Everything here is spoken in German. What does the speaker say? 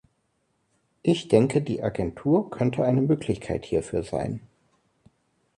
Ich denke, die Agentur könnte eine Möglichkeit hierfür sein.